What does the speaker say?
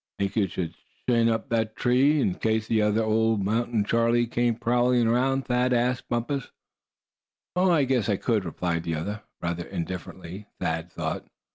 "Think you could shin up that tree, in case the other old Mountain Charlie came prowling around?" Thad asked Bumpus. "Oh! I guess I could," replied the other, rather indifferently, Thad thought.